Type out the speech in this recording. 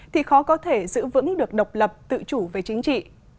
thì khó có thể giữ vững được độc lập tự chủ về chính trị